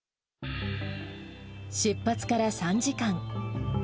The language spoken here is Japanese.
出発から３時間。